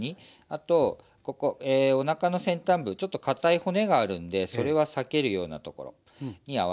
あとここおなかの先端部ちょっとかたい骨があるんでそれは避けるようなところに合わせます。